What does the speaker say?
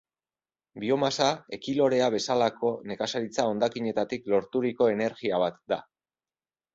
Biomasa, ekilorea bezalako nekazaritza hondakinetatik lorturiko energia bat da.